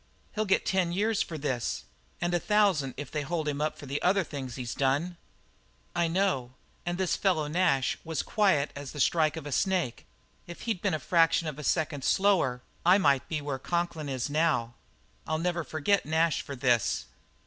He'll get ten years for this and a thousand if they hold him up for the other things he's done." "I know and this fellow Nash was as quiet as the strike of a snake. If he'd been a fraction of a second slower I might be where Conklin is now. I'll never forget Nash for this."